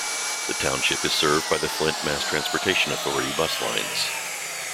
The township is served by the Flint Mass Transportation Authority bus lines.